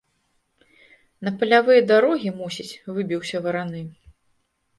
На палявыя дарогі, мусіць, выбіўся вараны.